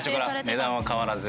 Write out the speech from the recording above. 値段は変わらず。